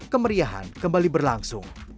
kemeriahan kembali berlangsung